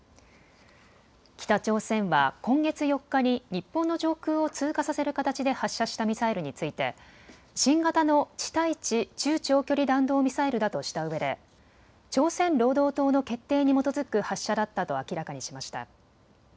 北朝鮮は今月４日に日本の上空を通過させる形で発射したミサイルについて新型の地対地中長距離弾道ミサイルだとしたうえで朝鮮労働党の決定に基づく発射だったと明らかにしました。